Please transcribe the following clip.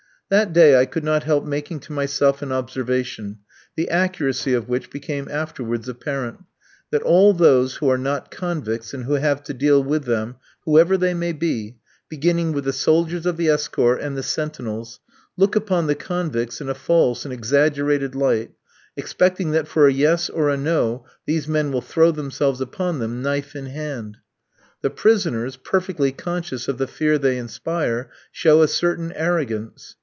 That day I could not help making to myself an observation, the accuracy of which became afterwards apparent: that all those who are not convicts and who have to deal with them, whoever they may be beginning with the soldiers of the escort and the sentinels look upon the convicts in a false and exaggerated light, expecting that for a yes or a no, these men will throw themselves upon them knife in hand. The prisoners, perfectly conscious of the fear they inspire, show a certain arrogance.